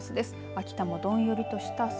秋田もどんよりとした空。